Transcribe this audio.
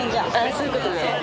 そういうことね。